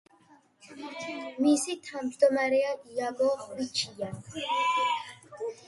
მისი თავმჯდომარეა იაგო ხვიჩია.